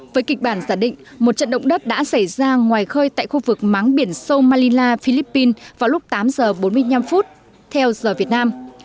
với kịch bản giả định một trận động đất đã xảy ra ngoài khơi tại khu vực máng biển somalia philippines vào lúc tám giờ bốn mươi năm theo giờ việt nam